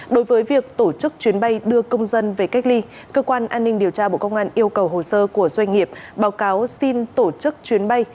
đối với việc tổ chức chuyến bay đưa công dân về cách ly cơ quan an ninh điều tra bộ công an yêu cầu hồ sơ của doanh nghiệp báo cáo xin tổ chức chuyến bay